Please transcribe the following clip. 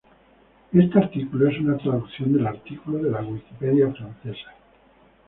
Este artículo es una traducción del artículo de la Wikipedia francesa